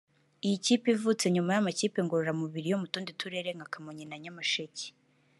Iyi kipe ivutse nyuma y’amakipe ngororamubiri yo mu tundi turere nka Kamonyi na Nyamasheke